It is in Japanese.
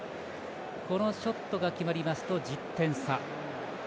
このショットが決まりますと１０点差。